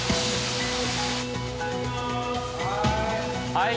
はい。